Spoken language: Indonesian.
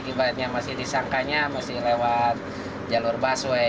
akibatnya masih disangkanya masih lewat jalur busway